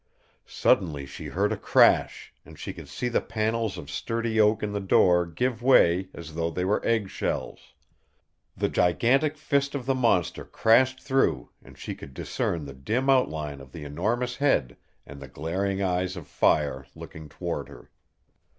Suddenly she heard a crash, and she could see the panels of sturdy oak in the door give way as though they were egg shells. The gigantic fist of the monster crashed through and she could discern the dim outline of the enormous head, and the glaring eyes of fire looking toward her.